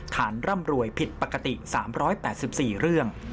ร่ำรวยผิดปกติ๓๘๔เรื่อง